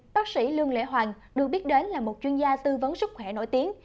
bác sĩ lương lễ hoàng được biết đến là một chuyên gia tư vấn sức khỏe nổi tiếng